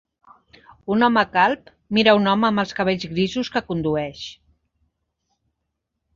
Un home calb mira un home amb els cabells grisos que condueix